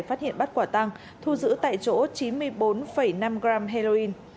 phát hiện bắt quả tăng thu giữ tại chỗ chín mươi bốn năm g heroin